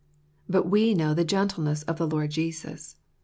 But we know the gentleness of the Lord Jesus.